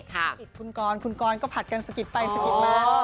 ค่ะคุณกรคุณกรก็ผัดกันสกิดไปสกิดกว้าง